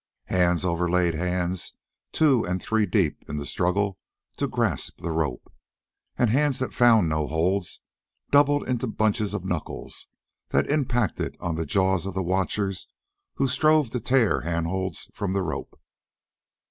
Hands overlaid hands two and three deep in the struggle to grasp the rope. And hands that found no holds, doubled into bunches of knuckles that impacted on the jaws of the watchers who strove to tear hand holds from the rope.